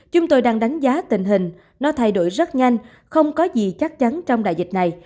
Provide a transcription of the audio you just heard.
chúng tôi đang đánh giá tình hình nó thay đổi rất nhanh không có gì chắc chắn trong đại dịch này